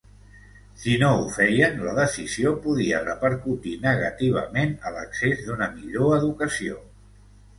Si no ho feien, la decisió podia repercutir negativament a l'accés d'una millor educació.